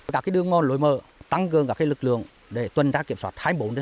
các đường ngon lối mở tăng cường lực lượng tuần ra kiểm soát hai mươi bốn hai mươi bốn